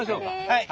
はい。